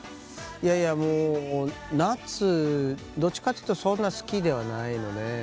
いやいやもう夏どっちかというとそんな好きではないので。